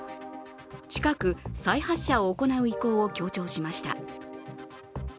近く再発射を行う意向を強調しました。